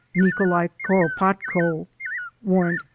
Nikolai Koropotko (Warrant No.